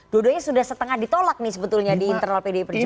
dua duanya sudah setengah ditolak nih sebetulnya di internal pdi perjuangan